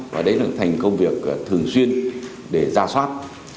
và đấy là thành công việc thường xuyên để ra soát